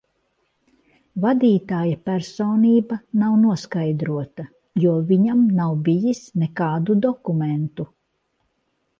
Vadītāja personība nav noskaidrota, jo viņam nav bijis nekādu dokumentu.